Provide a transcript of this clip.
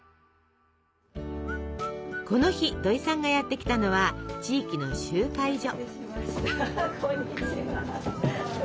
この日どいさんがやって来たのは地域の集会所。